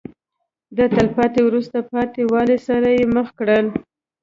د تلپاتې وروسته پاتې والي سره یې مخ کړل.